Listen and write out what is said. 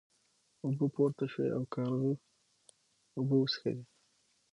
اوبه پورته شوې او کارغه اوبه وڅښلې.